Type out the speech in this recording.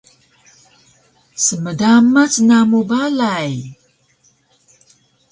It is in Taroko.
Smdamac namu balay!